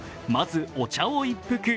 まずお茶を一服。